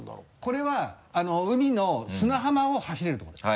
これは海の砂浜を走れる所です。